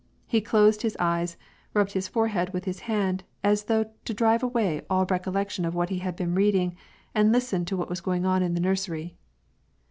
He closed his eyes, rubbed his forehead with his hand, as though to drive away all recollection of what he had been reading — and listened to what was going on in the nursery.